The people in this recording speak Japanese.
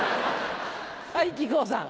はい木久扇さん。